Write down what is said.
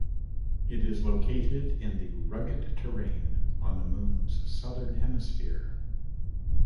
It is located in the rugged terrain on the Moon's southern hemisphere.